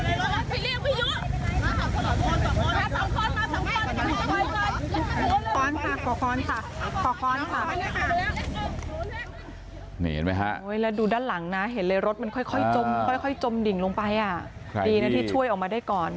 นี่เห็นไหมฮะดูด้านหลังนะฮะข้ายใกล้จมดิ่งลงไปดีนะที่ช่วยออกมาได้ก่อน